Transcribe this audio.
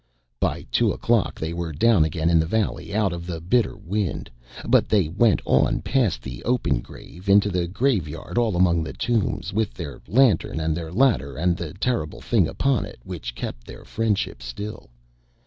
By two o'clock they were down again in the valley out of the bitter wind, but they went on past the open grave into the graveyard all among the tombs, with their lantern and their ladder and the terrible thing upon it, which kept their friendship still.